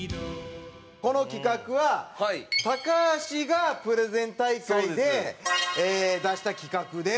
この企画は高橋がプレゼン大会で出した企画で。